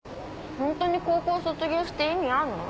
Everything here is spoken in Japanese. ホントに高校卒業して意味あんの？